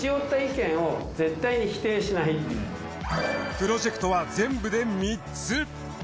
プロジェクトは全部で３つ。